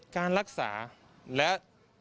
การรักษาและ